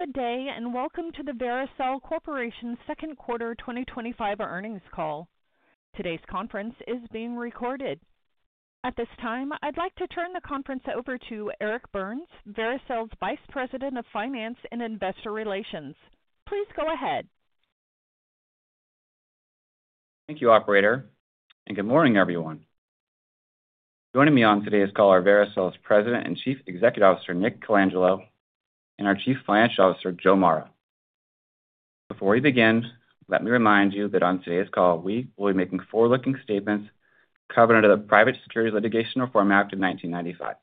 Good day and welcome to the Vericel Corporation's second quarter 2025 earnings call. Today's conference is being recorded. At this time, I'd like to turn the conference over to Eric Burns, Vericel's Vice President of Finance and Investor Relations. Please go ahead. Thank you, Operator, and good morning, everyone. Joining me on today's call are Vericel's President and Chief Executive Officer, Nick Colangelo, and our Chief Financial Officer, Joe Mara. Before we begin, let me remind you that on today's call, we will be making forward-looking statements covered under the Private Securities Litigation Reform Act of 1995.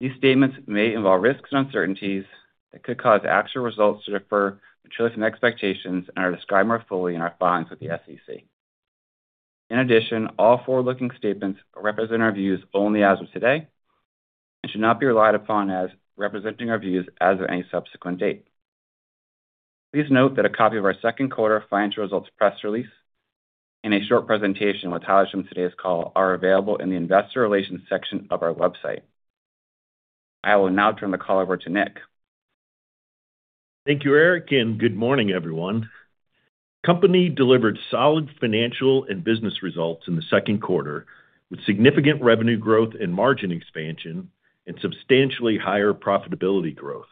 These statements may involve risks and uncertainties that could cause the actual results to differ from expectations and are described more fully in our filings with the SEC. In addition, all forward-looking statements represent our views only as of today and should not be relied upon as representing our views as of any subsequent date. Please note that a copy of our second quarter financial results press release and a short presentation with highlights from today's call are available in the Investor Relations section of our website. I will now turn the call over to Nick. Thank you, Eric, and good morning, everyone. The company delivered solid financial and business results in the second quarter, with significant revenue growth and margin expansion, and substantially higher profitability growth.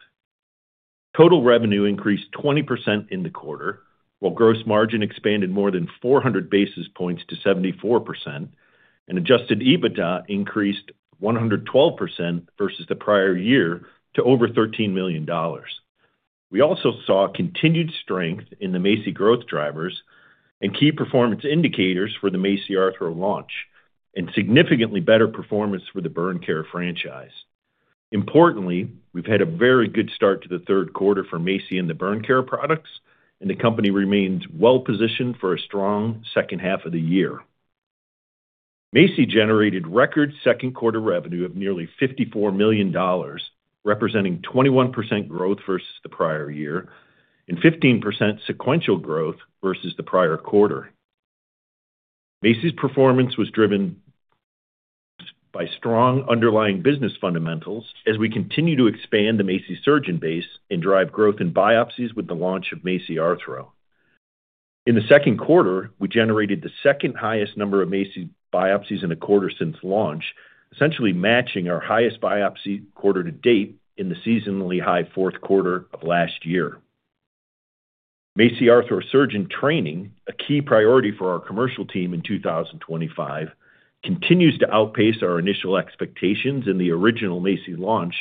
Total revenue increased 20% in the quarter, while gross margin expanded more than 400 basis points to 74%, and adjusted EBITDA increased 112% versus the prior year to over $13 million. We also saw continued strength in the MACI growth drivers and key performance indicators for the MACI Arthro launch, and significantly better performance for the Burn Care franchise. Importantly, we've had a very good start to the third quarter for MACI and the Burn Care products, and the company remains well positioned for a strong second half of the year. MACI generated record second quarter revenue of nearly $54 million, representing 21% growth versus the prior year and 15% sequential growth versus the prior quarter. MACI's performance was driven by strong underlying business fundamentals as we continue to expand the MACI surgeon base and drive growth in biopsies with the launch of MACI Arthro. In the second quarter, we generated the second highest number of MACI biopsies in a quarter since launch, essentially matching our highest biopsy quarter to date in the seasonally high fourth quarter of last year. MACI Arthro surgeon training, a key priority for our commercial team in 2025, continues to outpace our initial expectations in the original MACI launch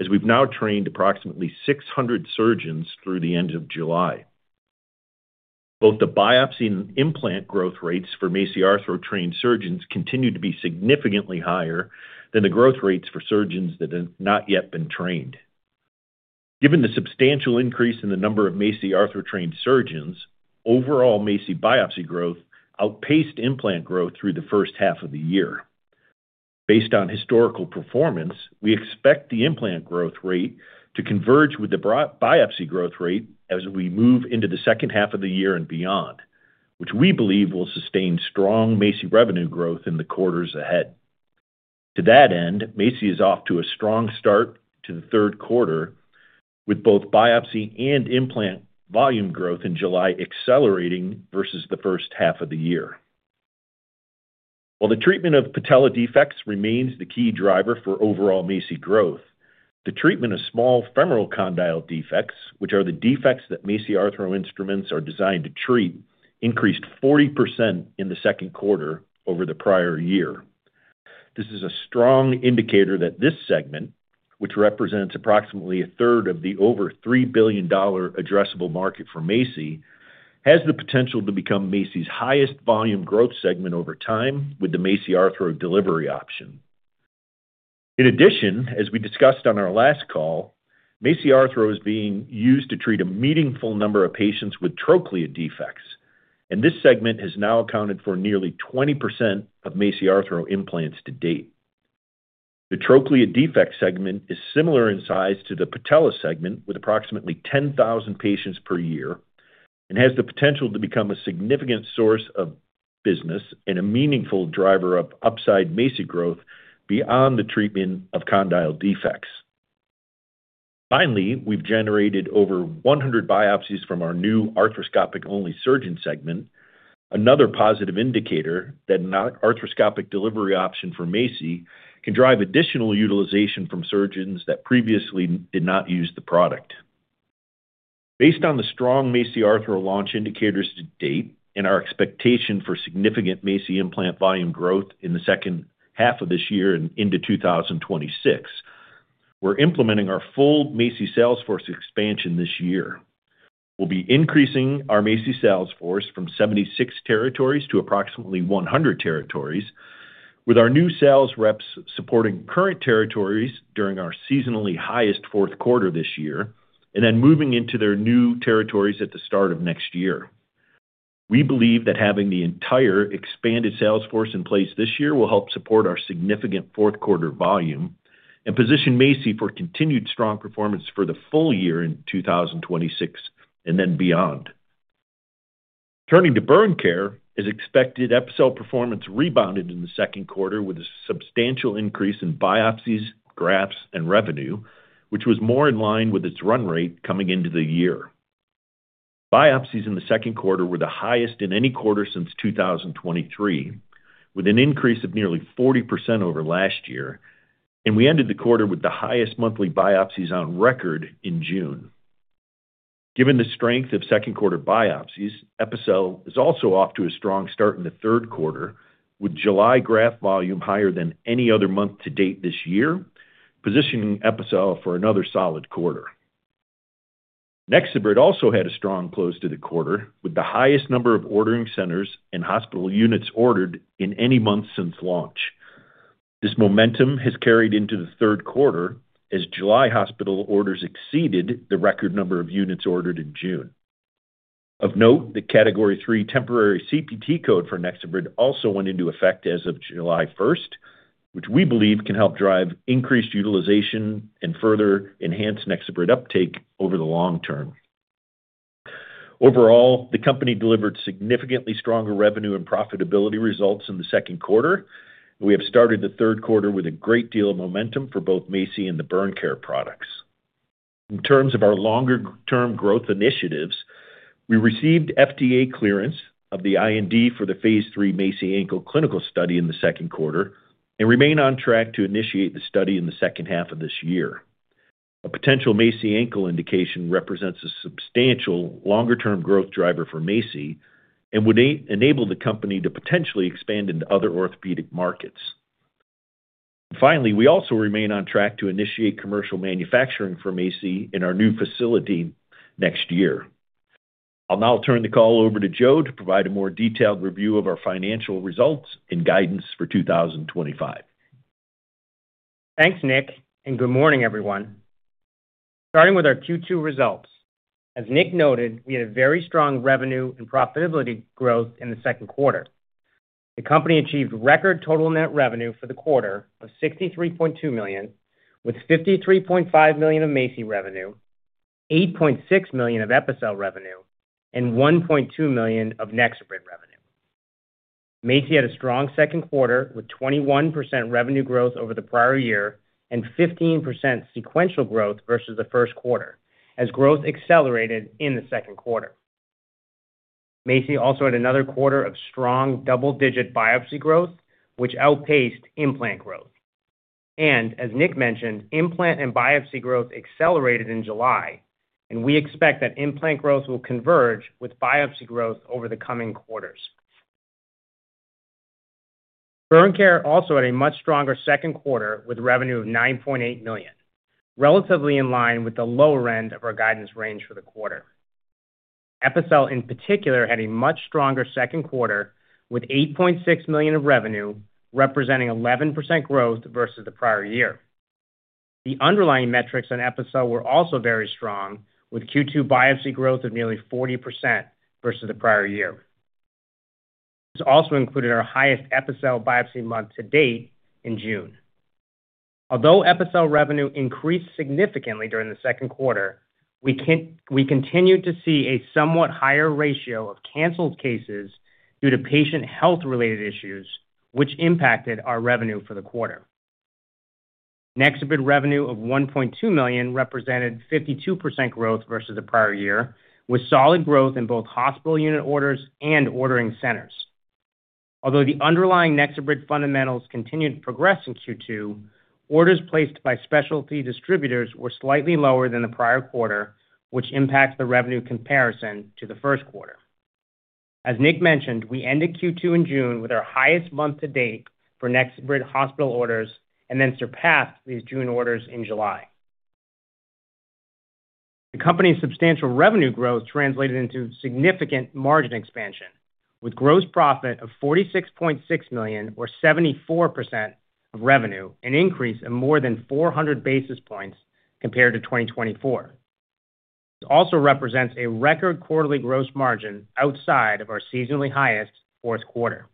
as we've now trained approximately 600 surgeons through the end of July. Both the biopsy and implant growth rates for MACI Arthro trained surgeons continue to be significantly higher than the growth rates for surgeons that have not yet been trained. Given the substantial increase in the number of MACI Arthro trained surgeons, overall MACI biopsy growth outpaced implant growth through the first half of the year. Based on historical performance, we expect the implant growth rate to converge with the biopsy growth rate as we move into the second half of the year and beyond, which we believe will sustain strong MACI revenue growth in the quarters ahead. To that end, MACI is off to a strong start to the third quarter with both biopsy and implant volume growth in July accelerating versus the first half of the year. While the treatment of patella defects remains the key driver for overall MACI growth, the treatment of small femoral condyle defects, which are the defects that MACI Arthro instruments are designed to treat, increased 40% in the second quarter over the prior year. This is a strong indicator that this segment, which represents approximately a third of the over $3 billion addressable market for MACI, has the potential to become MACI's highest volume growth segment over time with the MACI Arthro delivery option. In addition, as we discussed on our last call, MACI Arthro is being used to treat a meaningful number of patients with trochlea defects, and this segment has now accounted for nearly 20% of MACI Arthro implants to date. The trochlea defect segment is similar in size to the patella segment with approximately 10,000 patients per year and has the potential to become a significant source of business and a meaningful driver of upside MACI growth beyond the treatment of condyle defects. Finally, we've generated over 100 biopsies from our new arthroscopic-only surgeon segment, another positive indicator that an arthroscopic delivery option for MACI can drive additional utilization from surgeons that previously did not use the product. Based on the strong MACI Arthro launch indicators to date and our expectation for significant MACI implant volume growth in the second half of this year and into 2026, we're implementing our full MACI Salesforce expansion this year. We'll be increasing our MACI Salesforce from 76 territories to approximately 100 territories, with our new sales reps supporting current territories during our seasonally highest fourth quarter this year and then moving into their new territories at the start of next year. We believe that having the entire expanded sales force in place this year will help support our significant fourth quarter volume and position MACI for continued strong performance for the full year in 2026 and then beyond. Turning to Burn Care, as expected, Epicel performance rebounded in the second quarter with a substantial increase in biopsies, grafts, and revenue, which was more in line with its run rate coming into the year. Biopsies in the second quarter were the highest in any quarter since 2023, with an increase of nearly 40% over last year, and we ended the quarter with the highest monthly biopsies on record in June. Given the strength of second quarter biopsies, Epicel is also off to a strong start in the third quarter, with July graft volume higher than any other month to date this year, positioning Epicel for another solid quarter. NexoBrid also had a strong close to the quarter, with the highest number of ordering centers and hospital units ordered in any month since launch. This momentum has carried into the third quarter as July hospital orders exceeded the record number of units ordered in June. Of note, the category III temporary CPT code for NexoBrid also went into effect as of July 1, which we believe can help drive increased utilization and further enhance NexoBrid uptake over the long term. Overall, the company delivered significantly stronger revenue and profitability results in the second quarter, and we have started the third quarter with a great deal of momentum for both MACI and the Burn Care products. In terms of our longer-term growth initiatives, we received FDA clearance of the IND for the phase 3 MACI ankle clinical study in the second quarter and remain on track to initiate the study in the second half of this year. A potential MACI ankle indication represents a substantial longer-term growth driver for MACI and would enable the company to potentially expand into other orthopedic markets. Finally, we also remain on track to initiate commercial manufacturing for MACI in our new facility next year. I'll now turn the call over to Joe to provide a more detailed review of our financial results and guidance for 2025. Thanks, Nick, and good morning, everyone. Starting with our Q2 results, as Nick noted, we had very strong revenue and profitability growth in the second quarter. The company achieved record total net revenue for the quarter of $63.2 million, with $53.5 million of MACI revenue, $8.6 million of Epicel revenue, and $1.2 million of NexoBrid revenue. MACI had a strong second quarter with 21% revenue growth over the prior year and 15% sequential growth versus the first quarter, as growth accelerated in the second quarter. MACI also had another quarter of strong double-digit biopsy growth, which outpaced implant growth. As Nick mentioned, implant and biopsy growth accelerated in July, and we expect that implant growth will converge with biopsy growth over the coming quarters. Burn Care also had a much stronger second quarter with revenue of $9.8 million, relatively in line with the lower end of our guidance range for the quarter. Epicel, in particular, had a much stronger second quarter with $8.6 million of revenue, representing 11% growth versus the prior year. The underlying metrics on Epicel were also very strong, with Q2 biopsy growth of nearly 40% versus the prior year. This also included our highest Epicel biopsy month to date in June. Although Epicel revenue increased significantly during the second quarter, we continued to see a somewhat higher ratio of canceled cases due to patient health-related issues, which impacted our revenue for the quarter. NexoBrid revenue of $1.2 million represented 52% growth versus the prior year, with solid growth in both hospital unit orders and ordering centers. Although the underlying NexoBrid fundamentals continued to progress in Q2, orders placed by specialty distributors were slightly lower than the prior quarter, which impacts the revenue comparison to the first quarter. As Nick mentioned, we ended Q2 in June with our highest month to date for NexoBrid hospital orders and then surpassed these June orders in July. The company's substantial revenue growth translated into significant margin expansion, with gross profit of $46.6 million, or 74% of revenue, an increase of more than 400 basis points compared to 2024. This also represents a record quarterly gross margin outside of our seasonally highest fourth quarter.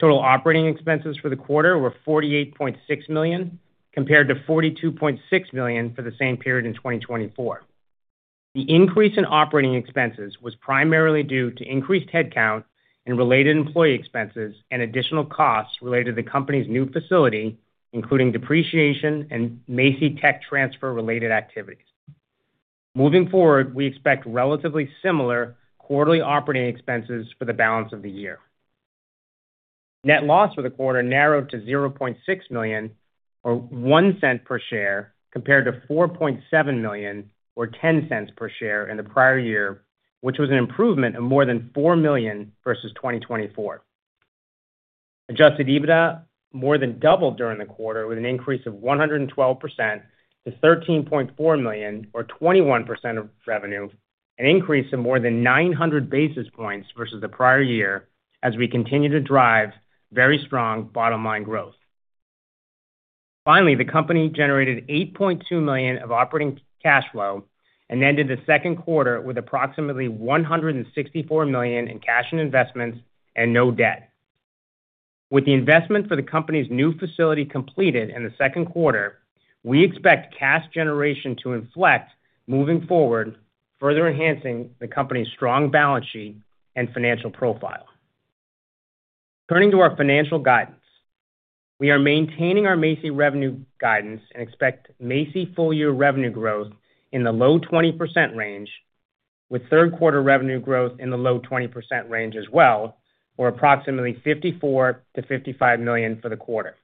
Total operating expenses for the quarter were $48.6 million, compared to $42.6 million for the same period in 2024. The increase in operating expenses was primarily due to increased headcount and related employee expenses and additional costs related to the company's new facility, including depreciation and MACI tech transfer-related activities. Moving forward, we expect relatively similar quarterly operating expenses for the balance of the year. Net loss for the quarter narrowed to $0.6 million, or $0.01 per share, compared to $4.7 million, or $0.10 per share in the prior year, which was an improvement of more than $4 million versus 2023. Adjusted EBITDA more than doubled during the quarter, with an increase of 112% to $13.4 million, or 21% of revenue, an increase of more than 900 basis points versus the prior year, as we continue to drive very strong bottom-line growth. Finally, the company generated $8.2 million of operating cash flow and ended the second quarter with approximately $164 million in cash and investments and no debt. With the investment for the company's new facility completed in the second quarter, we expect cash generation to inflect moving forward, further enhancing the company's strong balance sheet and financial profile. Turning to our financial guidance, we are maintaining our MACI revenue guidance and expect MACI full-year revenue growth in the low 20% range, with third quarter revenue growth in the low 20% range as well, or approximately $54 million-$55 million for the quarter.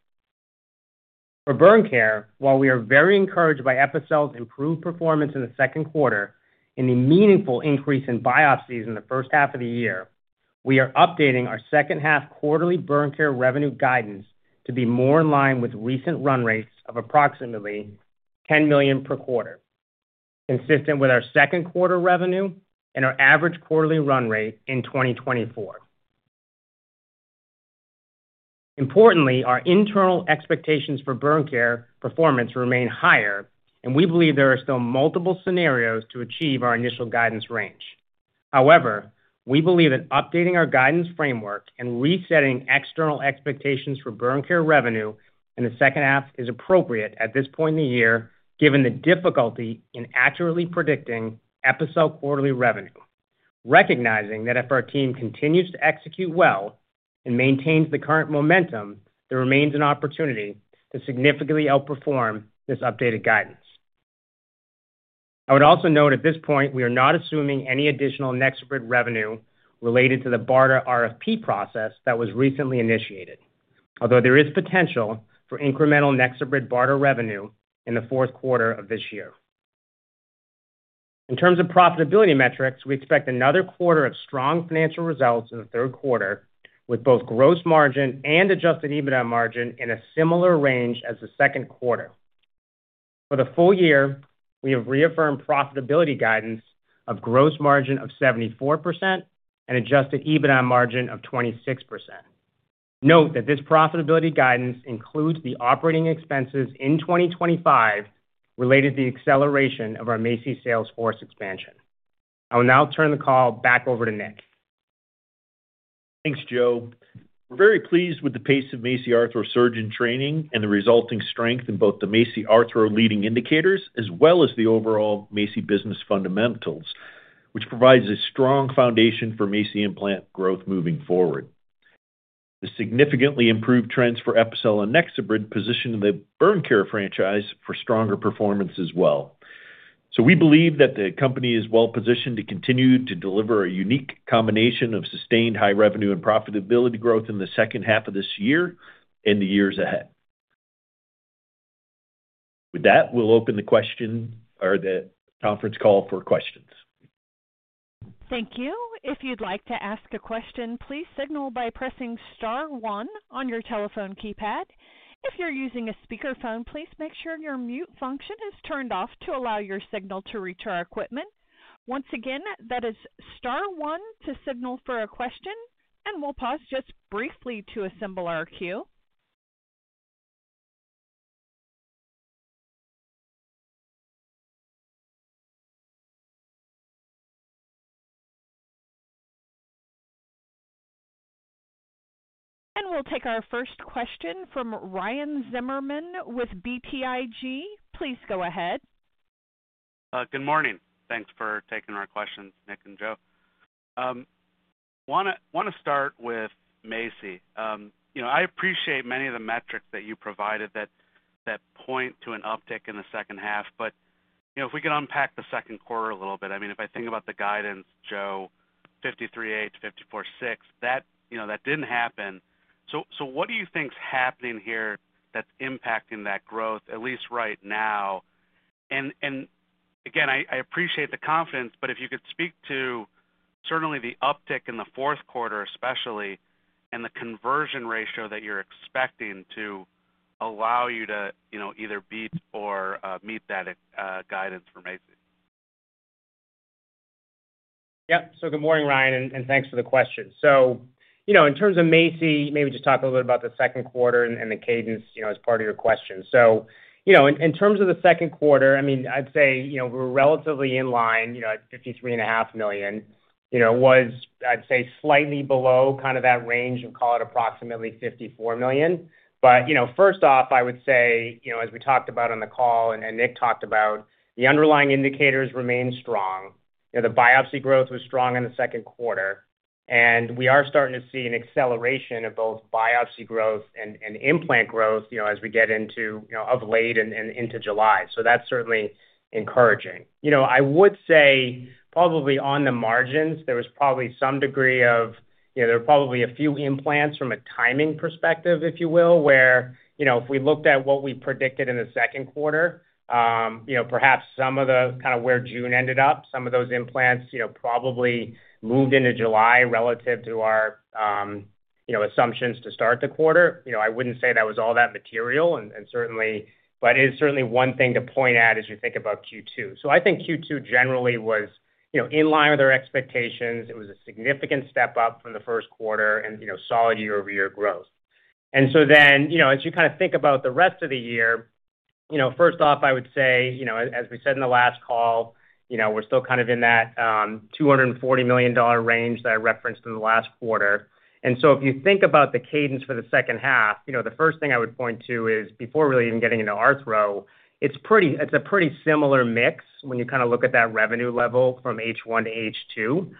For Burn Care, while we are very encouraged by Epicel's improved performance in the second quarter and the meaningful increase in biopsies in the first half of the year, we are updating our second half quarterly Burn Care revenue guidance to be more in line with recent run rates of approximately $10 million per quarter, consistent with our second quarter revenue and our average quarterly run rate in 2023. Importantly, our internal expectations for Burn Care performance remain higher, and we believe there are still multiple scenarios to achieve our initial guidance range. However, we believe that updating our guidance framework and resetting external expectations for Burn Care revenue in the second half is appropriate at this point in the year, given the difficulty in accurately predicting Epicel quarterly revenue, recognizing that if our team continues to execute well and maintains the current momentum, there remains an opportunity to significantly outperform this updated guidance. I would also note at this point we are not assuming any additional NexoBrid revenue related to the BARDA RFP process that was recently initiated, although there is potential for incremental NexoBrid BARDA revenue in the fourth quarter of this year. In terms of profitability metrics, we expect another quarter of strong financial results in the third quarter, with both gross margin and adjusted EBITDA margin in a similar range as the second quarter. For the full year, we have reaffirmed profitability guidance of gross margin of 74% and adjusted EBITDA margin of 26%. Note that this profitability guidance includes the operating expenses in 2025 related to the acceleration of our MACI Salesforce expansion. I will now turn the call back over to Nick. Thanks, Joe. We're very pleased with the pace of MACI Arthro surgeon training and the resulting strength in both the MACI Arthro leading indicators as well as the overall MACI business fundamentals, which provides a strong foundation for MACI implant growth moving forward. The significantly improved trends for Epicel and NexoBrid position the Burn Care franchise for stronger performance as well. We believe that the company is well positioned to continue to deliver a unique combination of sustained high revenue and profitability growth in the second half of this year and the years ahead. With that, we'll open the conference call for questions. Thank you. If you'd like to ask a question, please signal by pressing star one on your telephone keypad. If you're using a speakerphone, please make sure your mute function is turned off to allow your signal to reach our equipment. Once again, that is star one to signal for a question. We'll pause just briefly to assemble our queue. We'll take our first question from Ryan Zimmerman with BTIG. Please go ahead. Good morning. Thanks for taking our questions, Nick and Joe. I want to start with MACI. I appreciate many of the metrics that you provided that point to an uptick in the second half, but if we can unpack the second quarter a little bit, I mean, if I think about the guidance, Joe, $53.8 million-$54.6 million, that didn't happen. What do you think is happening here that's impacting that growth, at least right now? I appreciate the confidence, but if you could speak to certainly the uptick in the fourth quarter especially and the conversion ratio that you're expecting to allow you to either beat or meet that guidance for MACI. Yeah. Good morning, Ryan, and thanks for the question. In terms of MACI, maybe just talk a little bit about the second quarter and the cadence as part of your question. In terms of the second quarter, I'd say we're relatively in line at $53.5 million. It was, I'd say, slightly below kind of that range and call it approximately $54 million. First off, I would say as we talked about on the call and Nick talked about, the underlying indicators remain strong. The biopsy growth was strong in the second quarter, and we are starting to see an acceleration of both biopsy growth and implant growth as we get into late and into July. That's certainly encouraging. I would say probably on the margins, there was probably some degree of, there are probably a few implants from a timing perspective, if you will, where if we looked at what we predicted in the second quarter, perhaps some of the kind of where June ended up, some of those implants probably moved into July relative to our assumptions to start the quarter. I wouldn't say that was all that material, but it is certainly one thing to point out as you think about Q2. I think Q2 generally was in line with our expectations. It was a significant step up from the first quarter and solid year-over-year growth. As you kind of think about the rest of the year, first off, I would say as we said in the last call, we're still kind of in that $240 million range that I referenced in the last quarter. If you think about the cadence for the second half, the first thing I would point to is before really even getting into Arthro, it's a pretty similar mix when you kind of look at that revenue level from H1 to H2.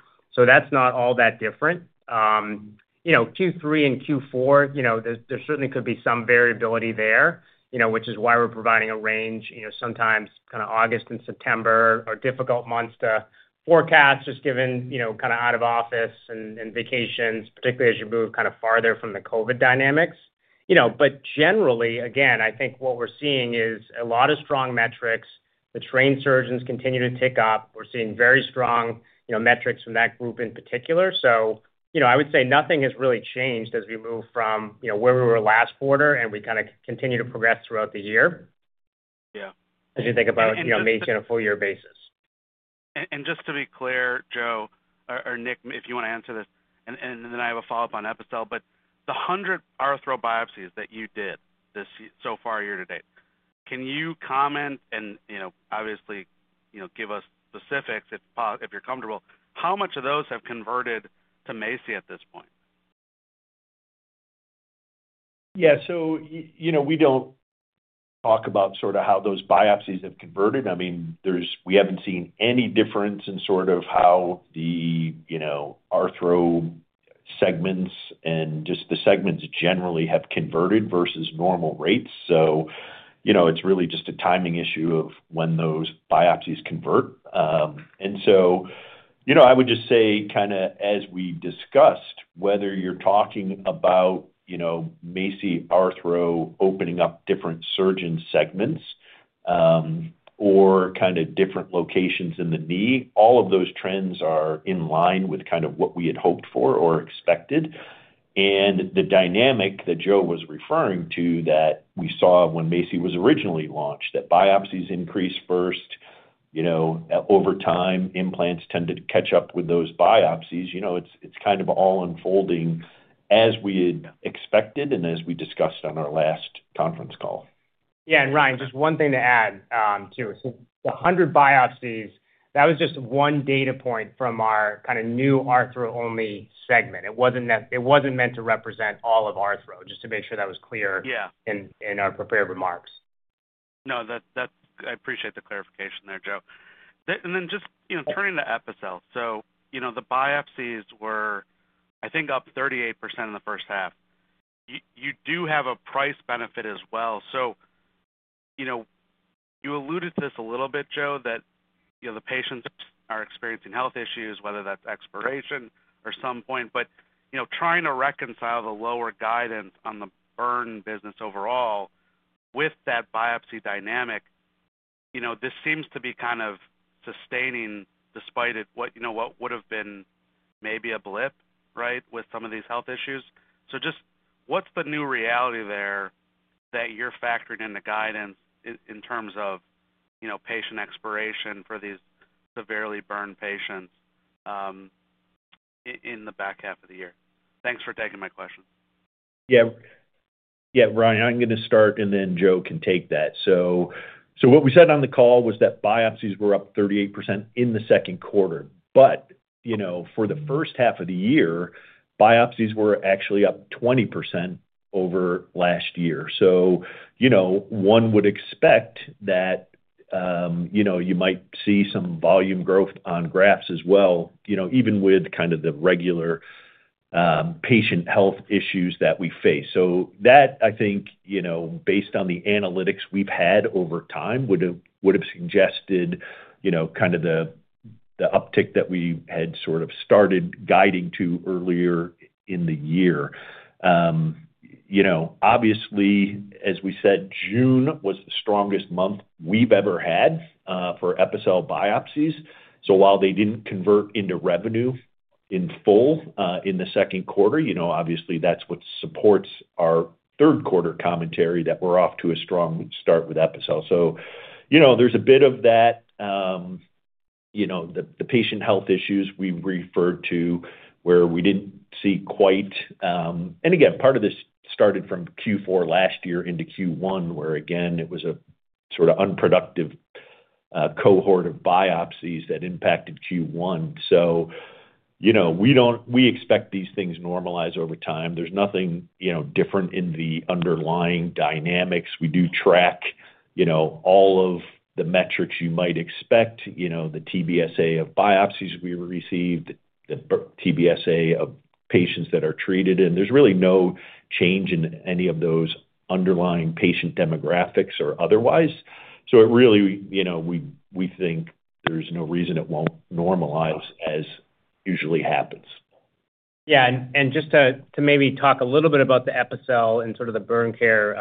That's not all that different. Q3 and Q4, there certainly could be some variability there, which is why we're providing a range. Sometimes August and September are difficult months to forecast just given kind of out of office and vacations, particularly as you move kind of farther from the COVID dynamics. Generally, again, I think what we're seeing is a lot of strong metrics. The trained surgeons continue to tick up. We're seeing very strong metrics from that group in particular. I would say nothing has really changed as we move from where we were last quarter and we kind of continue to progress throughout the year. Yeah. As you think about, you know, MACI on a full-year basis. Just to be clear, Joe, or Nick, if you want to answer this, I have a follow-up on Epicel, but the 100 Arthro biopsies that you did so far year to date, can you comment, and give us specifics if you're comfortable, how much of those have converted to MACI at this point? Yeah. We don't talk about sort of how those biopsies have converted. We haven't seen any difference in sort of how the Arthro segments and just the segments generally have converted versus normal rates. It's really just a timing issue of when those biopsies convert. I would just say, kind of as we discussed, whether you're talking about MACI Arthro opening up different surgeon segments or kind of different locations in the knee, all of those trends are in line with what we had hoped for or expected. The dynamic that Joe was referring to that we saw when MACI was originally launched, that biopsies increased first. Over time, implants tend to catch up with those biopsies. It's kind of all unfolding as we had expected and as we discussed on our last conference call. Yeah, Ryan, just one thing to add too, since the 100 biopsies, that was just one data point from our kind of new Arthro-only segment. It wasn't meant to represent all of Arthro, just to make sure that was clear in our prepared remarks. I appreciate the clarification there, Joe. Just turning to Epicel, the biopsies were, I think, up 38% in the first half. You do have a price benefit as well. You alluded to this a little bit, Joe, that the patients are experiencing health issues, whether that's expiration or some point. Trying to reconcile the lower guidance on the burn business overall with that biopsy dynamic, this seems to be kind of sustaining despite what would have been maybe a blip with some of these health issues. What's the new reality there that you're factoring into guidance in terms of patient expiration for these severely burned patients in the back half of the year? Thanks for taking my question. Yeah. Yeah, Ryan, I'm going to start and then Joe can take that. What we said on the call was that biopsies were up 38% in the second quarter. For the first half of the year, biopsies were actually up 20% over last year. One would expect that you might see some volume growth on grafts as well, even with kind of the regular patient health issues that we face. That, I think, based on the analytics we've had over time, would have suggested kind of the uptick that we had started guiding to earlier in the year. Obviously, as we said, June was the strongest month we've ever had for Epicel biopsies. While they didn't convert into revenue in full in the second quarter, that's what supports our third quarter commentary that we're off to a strong start with Epicel. There's a bit of that, the patient health issues we referred to where we didn't see quite. Part of this started from Q4 last year into Q1, where it was a sort of unproductive cohort of biopsies that impacted Q1. We expect these things normalize over time. There's nothing different in the underlying dynamics. We do track all of the metrics you might expect, the TBSA of biopsies we received, the TBSA of patients that are treated. There's really no change in any of those underlying patient demographics or otherwise. We think there's no reason it won't normalize as usually happens. Yeah. Just to maybe talk a little bit about the Epicel and sort of the Burn Care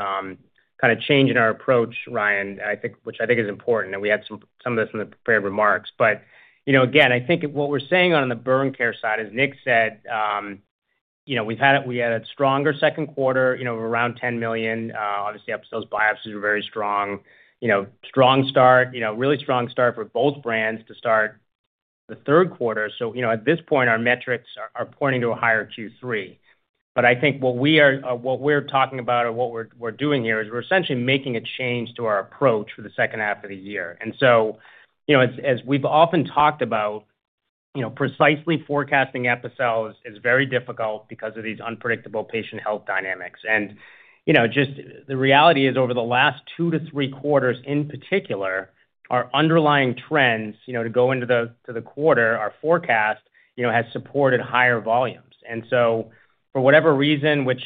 kind of change in our approach, Ryan, I think which I think is important. We had some of this in the prepared remarks. Again, I think what we're saying on the Burn Care side, as Nick said, we had a stronger second quarter of around $10 million. Obviously, Epicel's biopsies were very strong. Really strong start for both brands to start the third quarter. At this point, our metrics are pointing to a higher Q3. I think what we're talking about or what we're doing here is we're essentially making a change to our approach for the second half of the year. As we've often talked about, precisely forecasting Epicel is very difficult because of these unpredictable patient health dynamics. The reality is over the last two to three quarters in particular, our underlying trends to go into the quarter, our forecast has supported higher volumes. For whatever reason, we've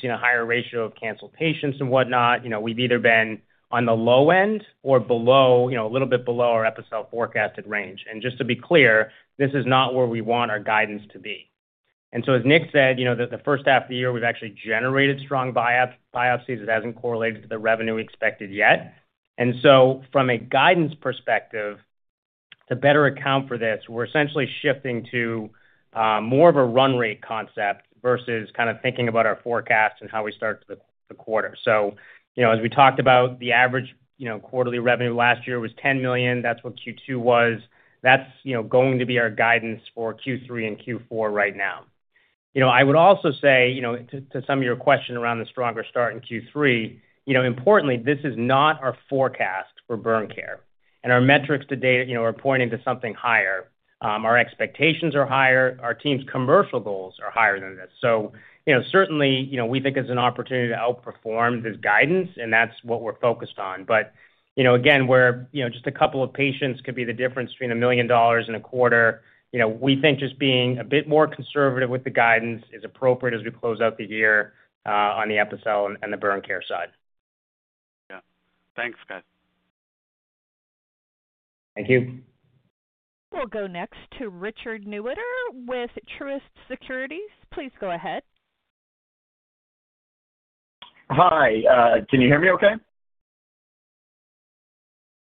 seen a higher ratio of canceled patients and whatnot, we've either been on the low end or a little bit below our Epicel forecasted range. Just to be clear, this is not where we want our guidance to be. As Nick said, the first half of the year, we've actually generated strong biopsies. It hasn't correlated to the revenue expected yet. From a guidance perspective, to better account for this, we're essentially shifting to more of a run rate concept versus kind of thinking about our forecast and how we start the quarter. As we talked about, the average quarterly revenue last year was $10 million. That's what Q2 was. That's going to be our guidance for Q3 and Q4 right now. I would also say to some of your question around the stronger start in Q3, importantly, this is not our forecast for Burn Care. Our metrics to date are pointing to something higher. Our expectations are higher. Our team's commercial goals are higher than this. Certainly, we think it's an opportunity to outperform this guidance, and that's what we're focused on. Again, where just a couple of patients could be the difference between $1 million and a quarter, we think just being a bit more conservative with the guidance is appropriate as we close out the year on the Epicel and the Burn Care side. Yeah, thanks, guys. Thank you. We'll go next to Richard Newitter with Truist Securities. Please go ahead. Hi, can you hear me okay?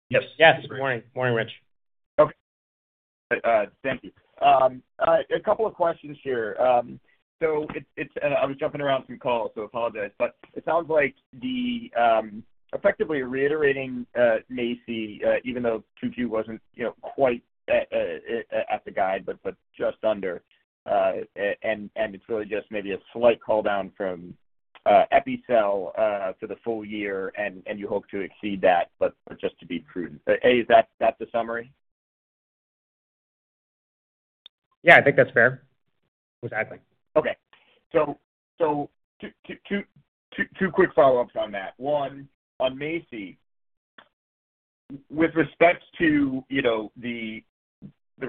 Yes. Yes. Good morning. Morning, Rich. Okay. Thank you. A couple of questions here. I was jumping around from calls, so I apologize. It sounds like you're effectively reiterating MACI, even though Q2 wasn't quite at the guide, but just under. It's really just maybe a slight call down from Epicel for the full year, and you hope to exceed that, but just to be prudent. A, is that the summary? Yeah, I think that's fair. Exactly. Okay. Two quick follow-ups on that. One, on MACI, with respect to the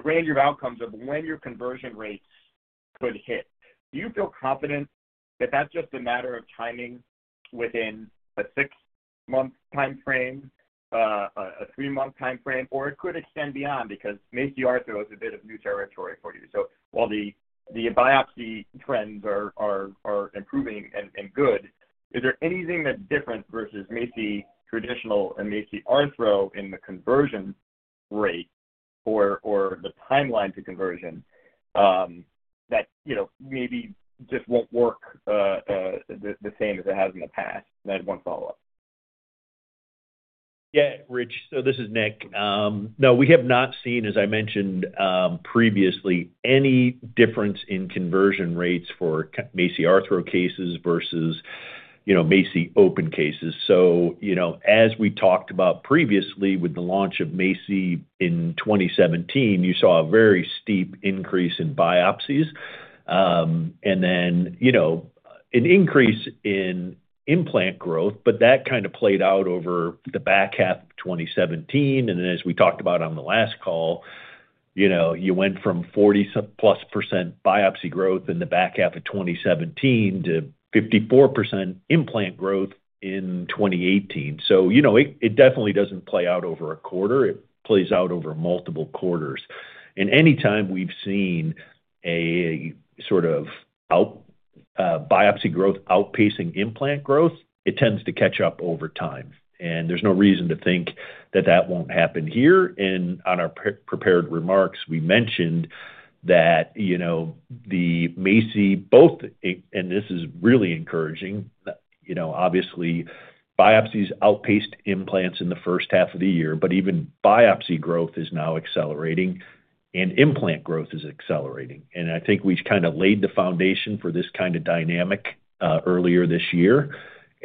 range of outcomes of when your conversion rates could hit, do you feel confident that that's just a matter of timing within a six-month timeframe, a three-month timeframe, or it could extend beyond because MACI Arthro is a bit of new territory for you? While the biopsy trends are improving and good, is there anything that's different versus MACI traditional and MACI Arthro in the conversion rate or the timeline to conversion that maybe just won't work the same as it has in the past? I have one follow-up. Yeah, Rich. This is Nick. No, we have not seen, as I mentioned previously, any difference in conversion rates for MACI Arthro cases versus MACI open cases. As we talked about previously with the launch of MACI in 2017, you saw a very steep increase in biopsies and then an increase in implant growth, but that kind of played out over the back half of 2017. As we talked about on the last call, you went from 40+% biopsy growth in the back half of 2017 to 54% implant growth in 2018. It definitely doesn't play out over a quarter. It plays out over multiple quarters. Anytime we've seen a sort of biopsy growth outpacing implant growth, it tends to catch up over time. There's no reason to think that that won't happen here. In our prepared remarks, we mentioned that the MACI, both, and this is really encouraging, obviously, biopsies outpaced implants in the first half of the year, but even biopsy growth is now accelerating and implant growth is accelerating. I think we've kind of laid the foundation for this kind of dynamic earlier this year.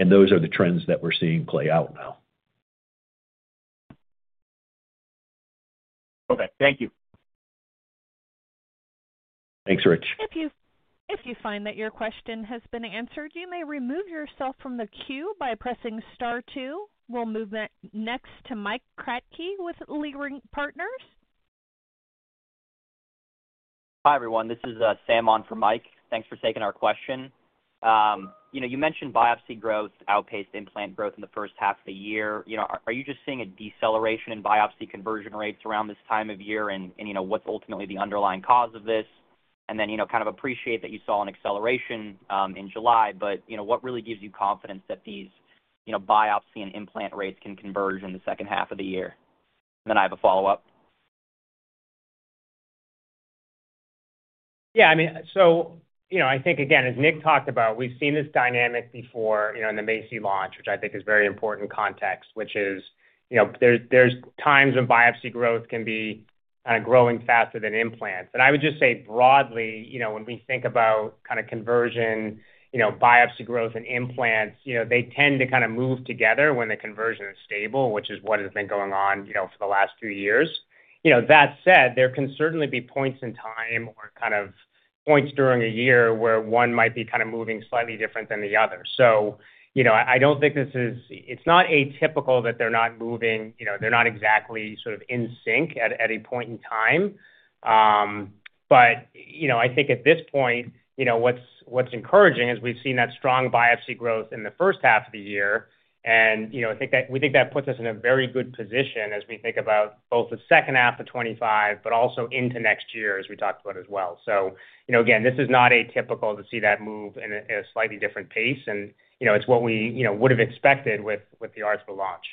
Those are the trends that we're seeing play out now. Okay, thank you. Thanks, Rich. If you find that your question has been answered, you may remove yourself from the queue by pressing star two. We'll move next to Mike Kratky with Leerink Partners. Hi, everyone. This is Sam on for Mike. Thanks for taking our question. You mentioned biopsy growth outpaced implant growth in the first half of the year. Are you just seeing a deceleration in biopsy conversion rates around this time of year? What's ultimately the underlying cause of this? I appreciate that you saw an acceleration in July, but what really gives you confidence that these biopsy and implant rates can converge in the second half of the year? I have a follow-up. Yeah. I think, again, as Nick talked about, we've seen this dynamic before in the MACI launch, which I think is very important context. There are times when biopsy growth can be growing faster than implants. I would just say broadly, when we think about conversion, biopsy growth and implants tend to move together when the conversion is stable, which is what has been going on for the last few years. That said, there can certainly be points in time or points during a year where one might be moving slightly different than the other. I don't think this is atypical that they're not moving exactly in sync at a point in time. At this point, what's encouraging is we've seen that strong biopsy growth in the first half of the year. I think that puts us in a very good position as we think about both the second half of 2025 but also into next year, as we talked about as well. This is not atypical to see that move at a slightly different pace. It's what we would have expected with the Arthro launch.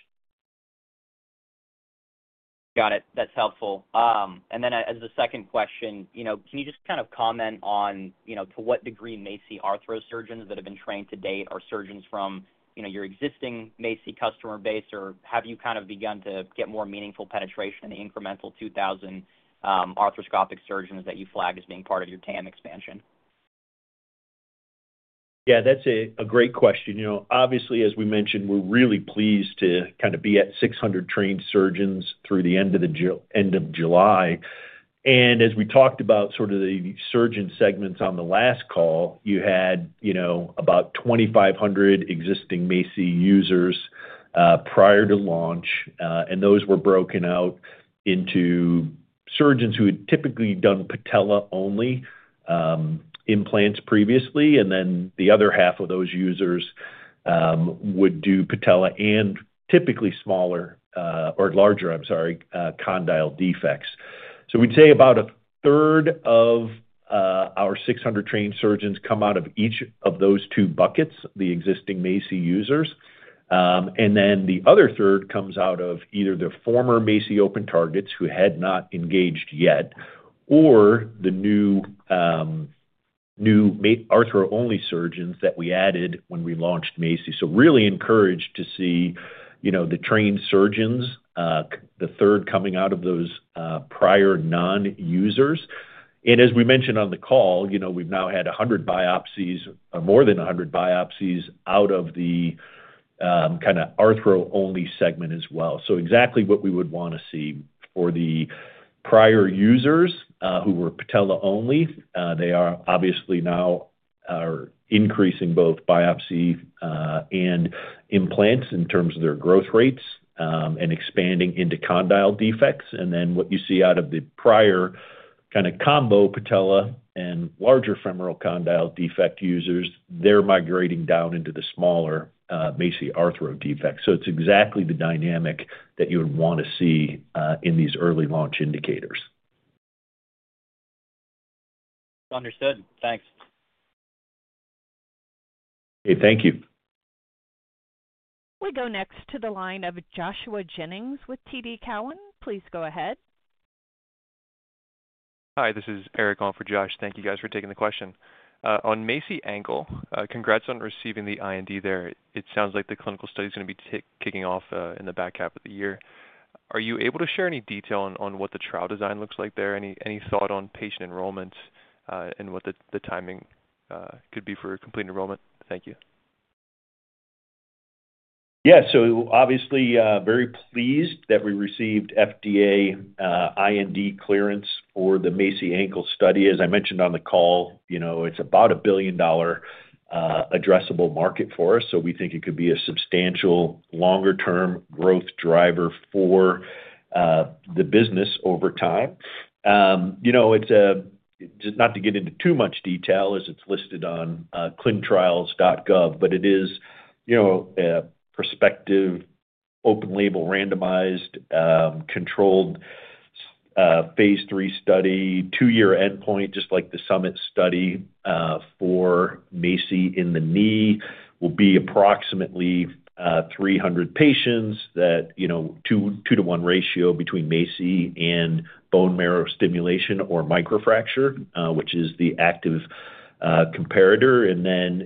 Got it. That's helpful. As the second question, can you comment on to what degree MACI Arthro surgeons that have been trained to date are surgeons from your existing MACI customer base, or have you begun to get more meaningful penetration in the incremental 2,000 arthroscopic surgeons that you flag as being part of your TAM expansion? Yeah, that's a great question. Obviously, as we mentioned, we're really pleased to be at 600 trained surgeons through the end of July. As we talked about the surgeon segments on the last call, you had about 2,500 existing MACI users prior to launch. Those were broken out into surgeons who had typically done patella-only implants previously. The other half of those users would do patella and typically smaller or larger, I'm sorry, condyle defects. We'd say about a third of our 600 trained surgeons come out of each of those two buckets, the existing MACI users. The other third comes out of either the former MACI open targets who had not engaged yet or the new Arthro-only surgeons that we added when we launched MACI. Really encouraged to see the trained surgeons, the third coming out of those prior non-users. As we mentioned on the call, we've now had more than 100 biopsies out of the Arthro-only segment as well. It's exactly what we would want to see for the prior users who were patella-only. They are obviously now increasing both biopsy and implants in terms of their growth rates and expanding into condyle defects. What you see out of the prior combo patella and larger femoral condyle defect users, they're migrating down into the smaller MACI Arthro defects. It's exactly the dynamic that you would want to see in these early launch indicators. Understood. Thanks. Okay, thank you. We go next to the line of Joshua Jennings with TD Cowen. Please go ahead. Hi. This is Eric on for Josh. Thank you guys for taking the question. On MACI ankle, congrats on receiving the IND there. It sounds like the clinical study is going to be kicking off in the back half of the year. Are you able to share any detail on what the trial design looks like there? Any thought on patient enrollments and what the timing could be for completing enrollment? Thank you. Yeah. Obviously, very pleased that we received FDA, IND clearance for the MACI ankle study. As I mentioned on the call, you know it's about a $1 billion addressable market for us. We think it could be a substantial longer-term growth driver for the business over time. It's just not to get into too much detail as it's listed on clinicaltrials.gov, but it is a prospective open-label randomized controlled phase 3 study, two-year endpoint, just like the SUMMIT study for MACI in the knee. It will be approximately 300 patients at a 2:1 ratio between MACI and bone marrow stimulation or microfracture, which is the active comparator.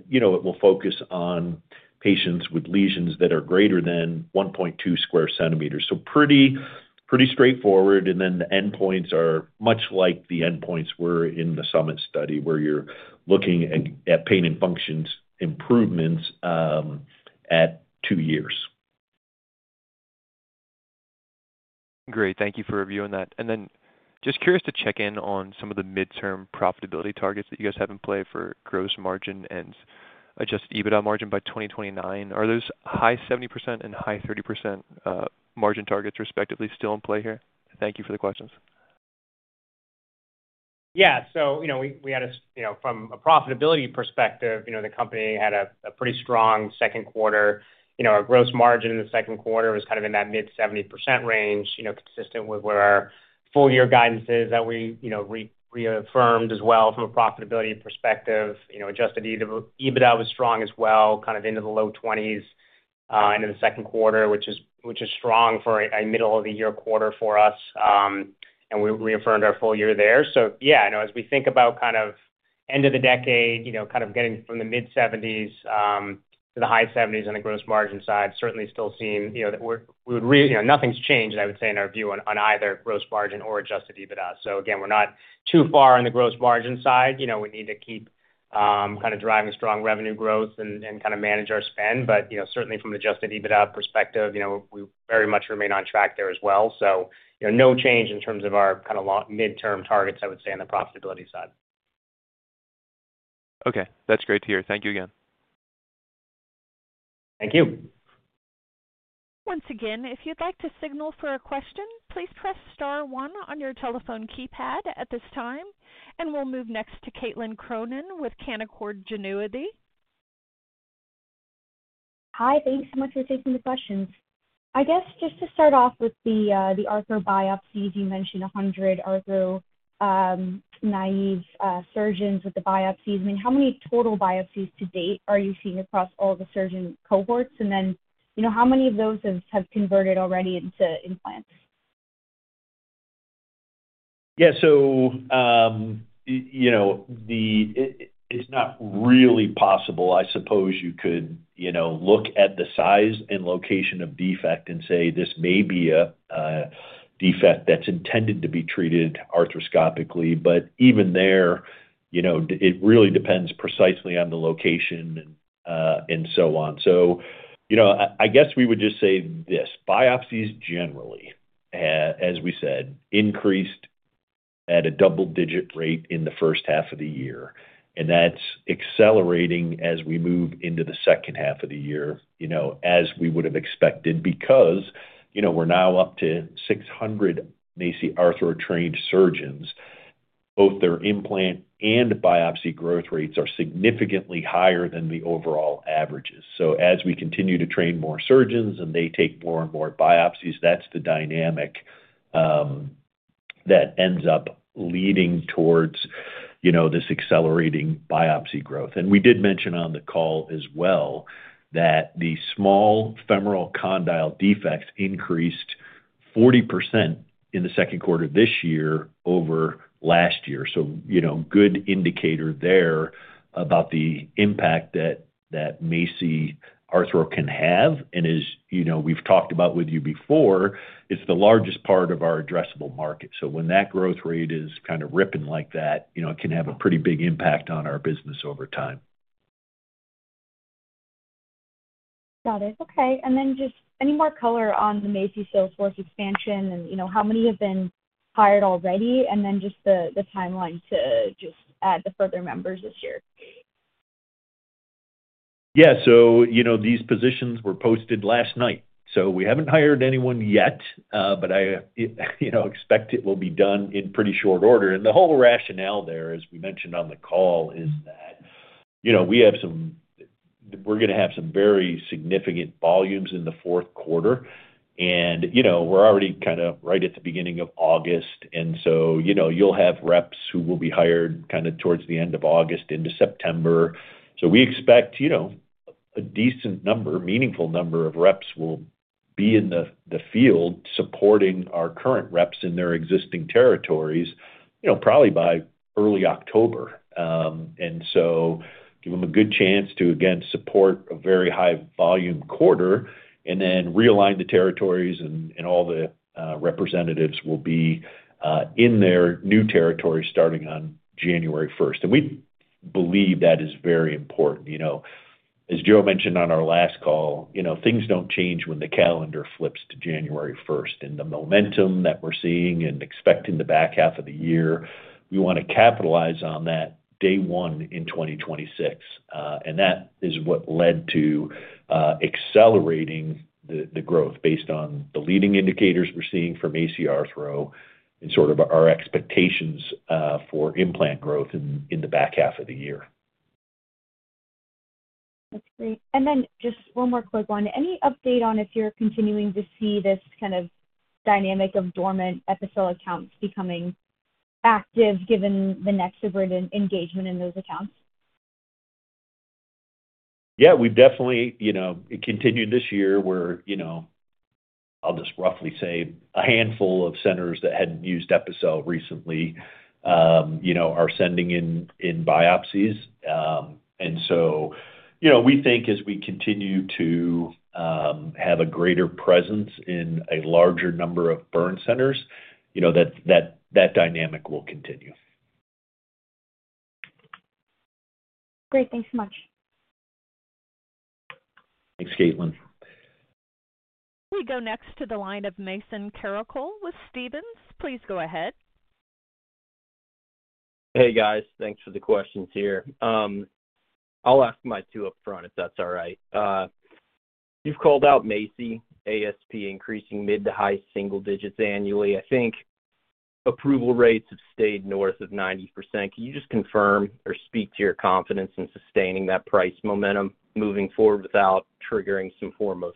It will focus on patients with lesions that are greater than 1.2 square centimeters. Pretty straightforward. The endpoints are much like the endpoints were in the SUMMIT study where you're looking at pain and function improvements at two years. Great. Thank you for reviewing that. Just curious to check in on some of the midterm profitability targets that you guys have in play for gross margin and adjusted EBITDA margin by 2029. Are those high 70% and high 30% margin targets respectively still in play here? Thank you for the questions. Yeah. We had a, from a profitability perspective, the company had a pretty strong second quarter. Our gross margin in the second quarter was kind of in that mid-70% range, consistent with where our full-year guidance is that we reaffirmed as well from a profitability perspective. Adjusted EBITDA was strong as well, kind of into the low 20s into the second quarter, which is strong for a middle-of-the-year quarter for us. We reaffirmed our full year there. As we think about kind of end of the decade, kind of getting from the mid-70s to the high 70s on the gross margin side, certainly still seeing that we would, nothing's changed, I would say, in our view on either gross margin or adjusted EBITDA. We're not too far on the gross margin side. We need to keep kind of driving strong revenue growth and manage our spend. Certainly from the adjusted EBITDA perspective, we very much remain on track there as well. No change in terms of our kind of midterm targets, I would say, on the profitability side. Okay, that's great to hear. Thank you again. Thank you. Once again, if you'd like to signal for a question, please press star one on your telephone keypad at this time. We'll move next to Caitlin Cronin with Canaccord Genuity. Hi. Thanks so much for taking the questions. I guess just to start off with the Arthro biopsies, you mentioned 100 Arthro naive surgeons with the biopsies. How many total biopsies to date are you seeing across all the surgeon cohorts? You know, how many of those have converted already into implants? Yeah. It's not really possible. I suppose you could look at the size and location of defect and say this may be a defect that's intended to be treated arthroscopically. Even there, it really depends precisely on the location and so on. I guess we would just say this. Biopsies generally, as we said, increased at a double-digit rate in the first half of the year. That's accelerating as we move into the second half of the year, as we would have expected, because we're now up to 600 MACI Arthro trained surgeons. Both their implant and biopsy growth rates are significantly higher than the overall averages. As we continue to train more surgeons and they take more and more biopsies, that's the dynamic that ends up leading towards this accelerating biopsy growth. We did mention on the call as well that the small femoral condyle defects increased 40% in the second quarter this year over last year. Good indicator there about the impact that MACI Arthro can have. As we've talked about with you before, it's the largest part of our addressable market. When that growth rate is kind of ripping like that, it can have a pretty big impact on our business over time. Got it. Okay. Any more color on the MACI Salesforce expansion and you know how many have been hired already? What is the timeline to add the further members this year? These positions were posted last night. We haven't hired anyone yet, but I expect it will be done in pretty short order. The whole rationale there, as we mentioned on the call, is that we have some, we're going to have some very significant volumes in the fourth quarter. We're already kind of right at the beginning of August, so you'll have reps who will be hired towards the end of August into September. We expect a decent number, meaningful number of reps will be in the field supporting our current reps in their existing territories probably by early October. That will give them a good chance to support a very high volume quarter, and then realign the territories. All the representatives will be in their new territory starting on January 1st. We believe that is very important. As Joe Mara mentioned on our last call, things don't change when the calendar flips to January 1st. The momentum that we're seeing and expect in the back half of the year, we want to capitalize on that day one in 2026. That is what led to accelerating the growth based on the leading indicators we're seeing from MACI Arthro and sort of our expectations for implant growth in the back half of the year. That's great. Just one more close one. Any update on if you're continuing to see this kind of dynamic of dormant Epicel accounts becoming active given the NexoBrid engagement in those accounts? Yeah. We've definitely continued this year where I'll just roughly say a handful of centers that hadn't used Epicel recently are sending in biopsies. We think as we continue to have a greater presence in a larger number of burn centers, that dynamic will continue. Great, thanks so much. Thanks, Caitlin. We go next to the line of Mason Carrico with Stephens. Please go ahead. Hey, guys. Thanks for the questions here. I'll ask my two up front if that's all right. You've called out MACI ASP increasing mid to high single digits annually. I think approval rates have stayed north of 90%. Can you just confirm or speak to your confidence in sustaining that price momentum moving forward without triggering some form of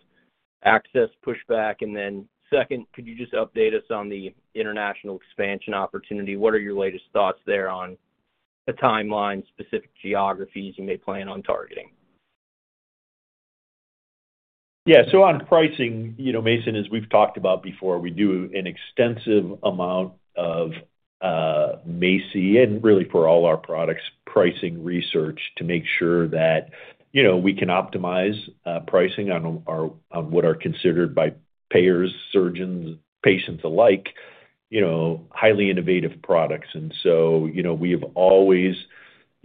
access pushback? Then, could you just update us on the international expansion opportunity? What are your latest thoughts there on the timeline, specific geographies you may plan on targeting? Yeah. On pricing, you know, Mason, as we've talked about before, we do an extensive amount of MACI and really for all our products pricing research to make sure that we can optimize pricing on what are considered by payers, surgeons, patients alike, you know, highly innovative products. We have always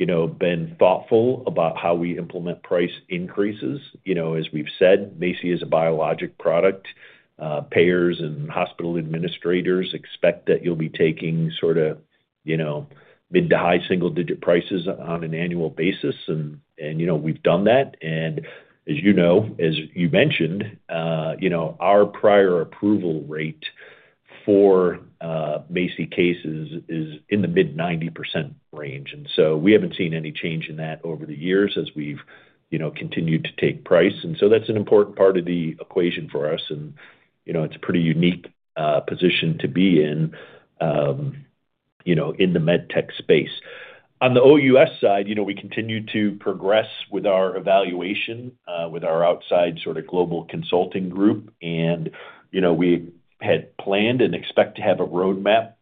been thoughtful about how we implement price increases. As we've said, MACI is a biologic product. Payers and hospital administrators expect that you'll be taking sort of mid to high single-digit prices on an annual basis. We've done that. As you mentioned, our prior approval rate for MACI cases is in the mid-90% range. We haven't seen any change in that over the years as we've continued to take price. That's an important part of the equation for us. It's a pretty unique position to be in in the med tech space. On the OUS side, we continue to progress with our evaluation with our outside sort of global consulting group. We had planned and expect to have a roadmap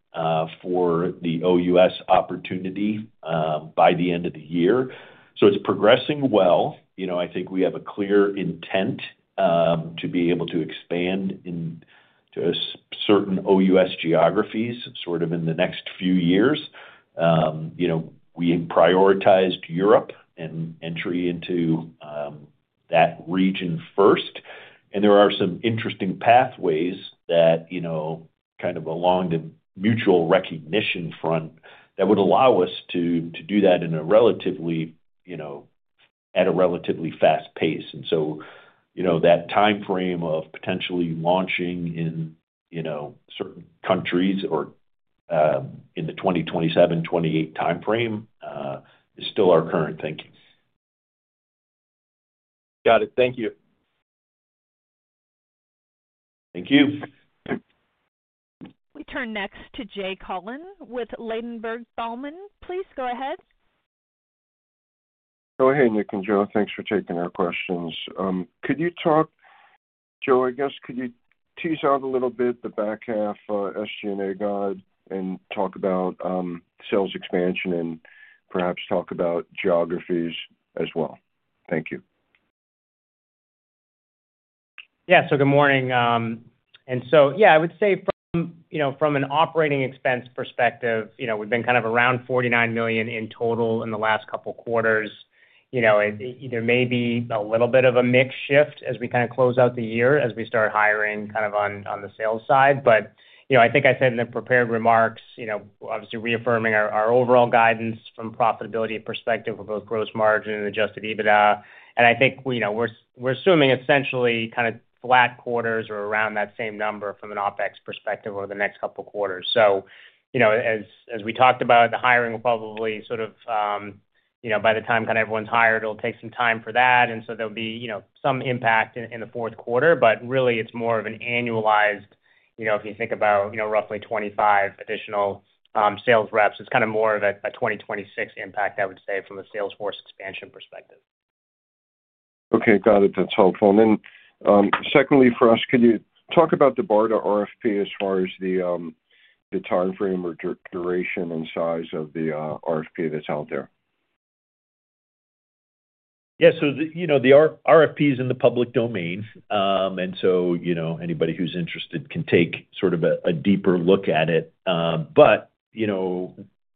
for the OUS opportunity by the end of the year. It's progressing well. I think we have a clear intent to be able to expand into certain OUS geographies in the next few years. We prioritized Europe and entry into that region first. There are some interesting pathways along the mutual recognition front that would allow us to do that at a relatively fast pace. That timeframe of potentially launching in certain countries or in the 2027-2028 timeframe is still our current thinking. Got it. Thank you. Thank you. We turn next to Jay Collin with Ladenburg Thalmann. Please go ahead. Oh, hey, Nick and Joe. Thanks for taking our questions. Could you talk, Joe, could you tease out a little bit the back half SG&A guide and talk about sales expansion and perhaps talk about geographies as well? Thank you. Good morning. From an operating expense perspective, we've been kind of around $49 million in total in the last couple of quarters. There may be a little bit of a mix shift as we close out the year as we start hiring on the sales side. I said in the prepared remarks, obviously reaffirming our overall guidance from a profitability perspective for both gross margin and adjusted EBITDA. We're assuming essentially kind of flat quarters or around that same number from an OpEx perspective over the next couple of quarters. As we talked about, the hiring will probably, by the time everyone's hired, take some time for that. There will be some impact in the fourth quarter. Really, it's more of an annualized, if you think about roughly 25 additional sales reps, it's kind of more of a 2026 impact from a Salesforce expansion perspective. Okay. Got it. That's helpful. Could you talk about the BARDA RFP as far as the timeframe or duration and size of the RFP that's out there? Yeah. The RFP is in the public domain, so anybody who's interested can take sort of a deeper look at it.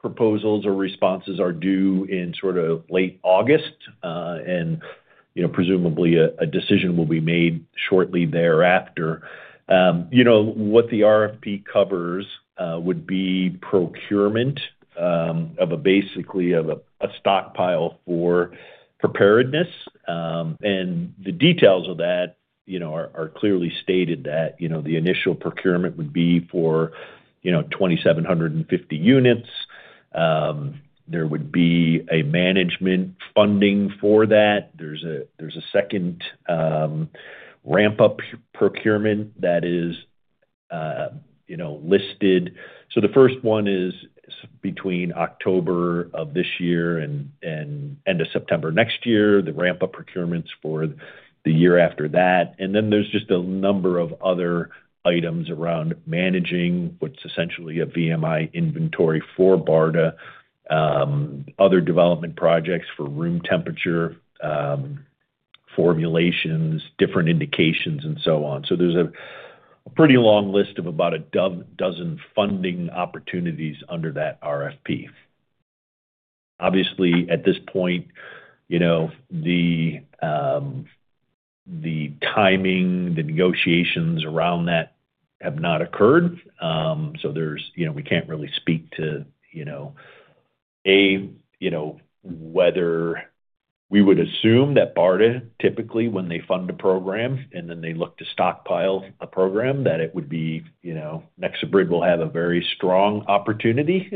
Proposals or responses are due in sort of late August, and presumably, a decision will be made shortly thereafter. What the RFP covers would be procurement of basically a stockpile for preparedness. The details of that are clearly stated, that the initial procurement would be for 2,750 units. There would be management funding for that. There's a second ramp-up procurement that is listed. The first one is between October of this year and the end of September next year; the ramp-up procurement is for the year after that. There are just a number of other items around managing what's essentially a BMI inventory for BARDA, other development projects for room temperature formulations, different indications, and so on. There's a pretty long list of about a dozen funding opportunities under that RFP. Obviously, at this point, the timing and the negotiations around that have not occurred, so we can't really speak to whether we would assume that BARDA, typically, when they fund a program and then they look to stockpile a program, that it would be NexoBrid will have a very strong opportunity.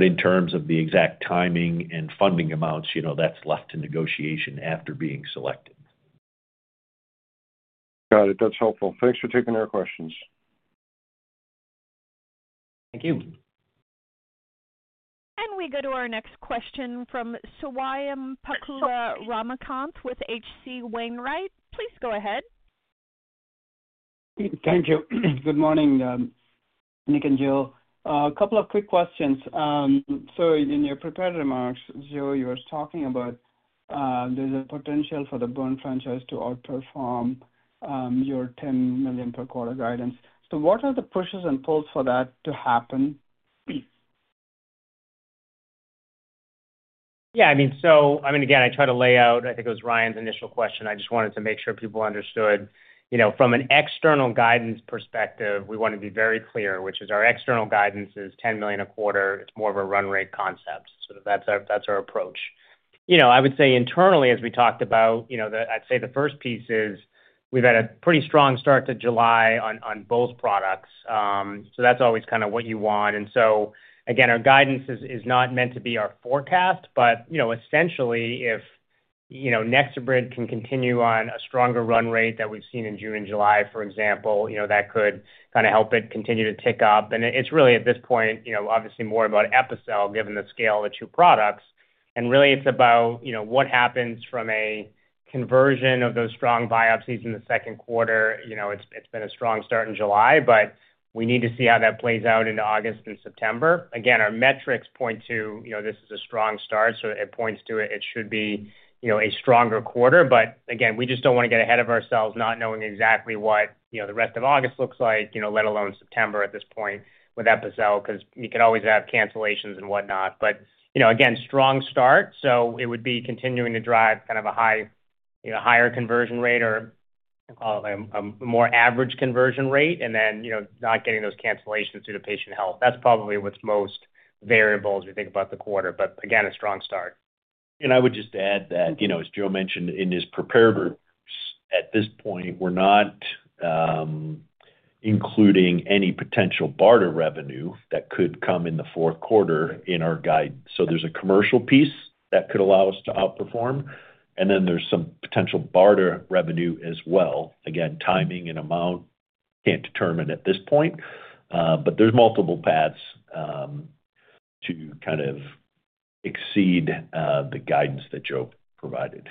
In terms of the exact timing and funding amounts, that's left to negotiation after being selected. Got it. That's helpful. Thanks for taking our questions. Thank you. We go to our next question from Swayampakula Ramakanth with H.C. Wainwright. Please go ahead. Thank you. Good morning, Nick and Joe. A couple of quick questions. In your prepared remarks, Joe, you were talking about there's a potential for the burn franchise to outperform your $10 million per quarter guidance. What are the pushes and pulls for that to happen? Yeah. I mean, again, I try to lay out, I think it was Ryan's initial question. I just wanted to make sure people understood, you know, from an external guidance perspective, we want to be very clear, which is our external guidance is $10 million a quarter. It's more of a run rate concept. That's our approach. I would say internally, as we talked about, I'd say the first piece is we've had a pretty strong start to July on both products. That's always kind of what you want. Again, our guidance is not meant to be our forecast, but essentially, if NexoBrid can continue on a stronger run rate that we've seen in June and July, for example, that could kind of help it continue to tick up. It's really, at this point, obviously more about Epicel, given the scale of the two products. Really, it's about what happens from a conversion of those strong biopsies in the second quarter. It's been a strong start in July, but we need to see how that plays out in August and September. Again, our metrics point to this is a strong start. It points to it. It should be a stronger quarter. We just don't want to get ahead of ourselves not knowing exactly what the rest of August looks like, let alone September at this point with Epicel because you can always have cancellations and whatnot. Again, strong start. It would be continuing to drive kind of a high, you know, higher conversion rate or I call it a more average conversion rate and then not getting those cancellations due to patient health. That's probably what's most variable as we think about the quarter. Again, a strong start. I would just add that, as Joe mentioned, at this point, we're not including any potential BARDA revenue that could come in the fourth quarter in our guide. There's a commercial piece that could allow us to outperform, and then there's some potential BARDA revenue as well. Again, timing and amount can't determine at this point, but there's multiple paths to kind of exceed the guidance that Joe provided.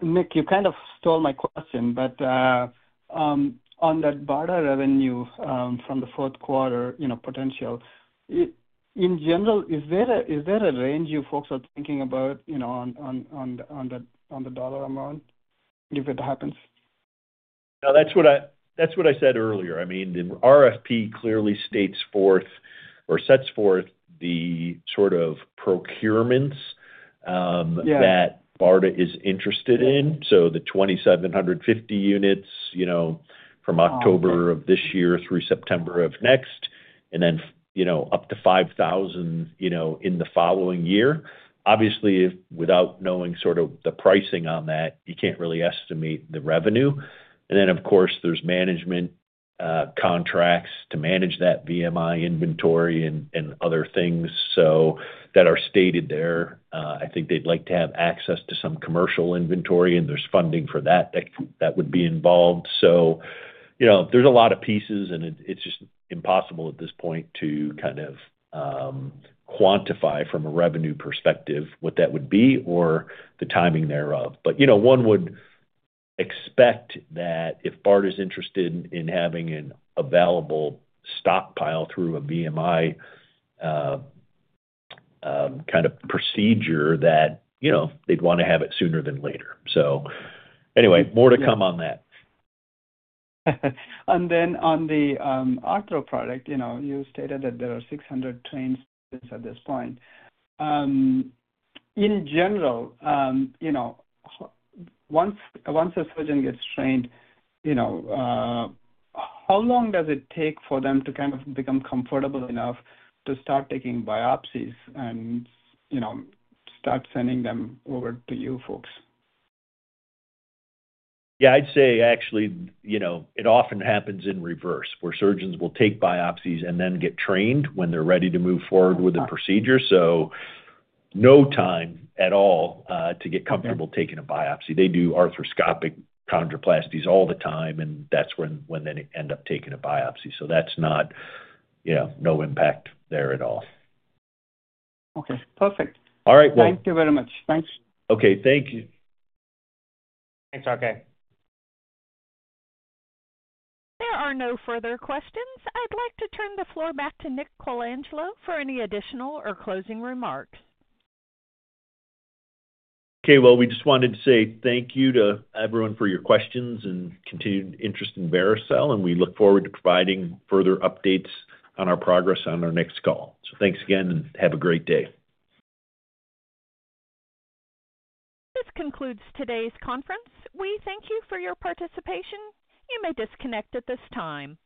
Nick, you kind of stole my question, but on that BARDA revenue from the fourth quarter, you know, potential, in general, is there a range you folks are thinking about, you know, on the dollar amount if it happens? No, that's what I said earlier. I mean, the RFP clearly sets forth the sort of procurements that BARDA is interested in. The 2,750 units, you know, from October of this year through September of next, and then up to 5,000 in the following year. Obviously, without knowing the pricing on that, you can't really estimate the revenue. There are management contracts to manage that BMI inventory and other things that are stated there. I think they'd like to have access to some commercial inventory, and there's funding for that that would be involved. There are a lot of pieces, and it's just impossible at this point to quantify from a revenue perspective what that would be or the timing thereof. One would expect that if BARDA is interested in having an available stockpile through a BMI kind of procedure, they'd want to have it sooner than later. More to come on that. On the Arthro product, you stated that there are 600 trained at this point. In general, once a surgeon gets trained, how long does it take for them to kind of become comfortable enough to start taking biopsies and start sending them over to you folks? I'd say actually, you know, it often happens in reverse where surgeons will take biopsies and then get trained when they're ready to move forward with the procedure. No time at all to get comfortable taking a biopsy. They do arthroscopic chondroplasties all the time, and that's when they end up taking a biopsy. That's not, yeah, no impact there at all. Okay. Perfect. All right. Thank you very much. Thanks. Okay, thank you. Thanks, RK. There are no further questions. I'd like to turn the floor back to Nick Colangelo for any additional or closing remarks. Okay. We just wanted to say thank you to everyone for your questions and continued interest in Vericel. We look forward to providing further updates on our progress on our next call. Thanks again, and have a great day. This concludes today's conference. We thank you for your participation. You may disconnect at this time.